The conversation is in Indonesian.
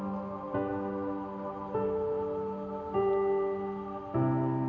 gak ada yang bisa dihukum